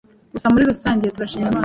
Gusa muri rusange turashima Imana